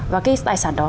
và cái tài sản đó